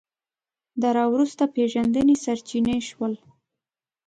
د راوروسته پېژندنې سرچینې شول